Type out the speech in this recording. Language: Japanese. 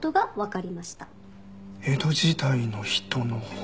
江戸時代の人の骨。